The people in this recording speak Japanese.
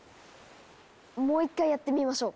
もう一回やってみましょう。